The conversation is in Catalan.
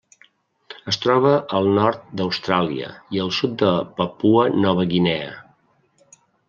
Es troba al nord d'Austràlia i al sud de Papua Nova Guinea.